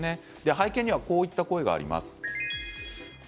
背景には、こんな声があります。